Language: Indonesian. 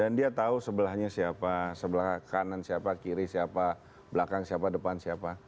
dan dia tahu sebelahnya siapa sebelah kanan siapa kiri siapa belakang siapa depan siapa